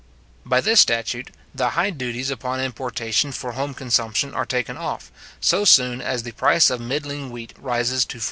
By this statute, the high duties upon importation for home consumption are taken off, so soon as the price of middling wheat rises to 48s.